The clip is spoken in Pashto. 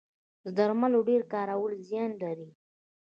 د درملو ډیر کارول زیان لري